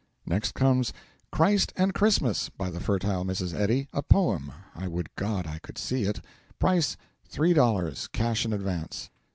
Next comes 'Christ and Christmas,' by the fertile Mrs. Eddy a poem I would God I could see it price $3, cash in advance.